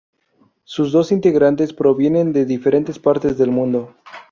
Sus dos integrantes provienen de diferentes partes del mundo.